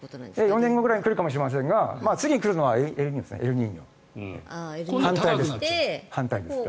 ４年後くらいに来るかもしれませんが次に来るのはエルニーニョですね。